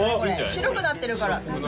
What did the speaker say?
白くなってるから多分。